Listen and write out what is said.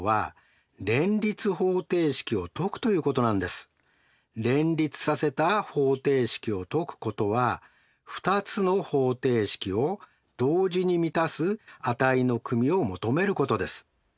つまり連立させた方程式を解くことは２つの方程式を同時に満たす値の組を求めることです。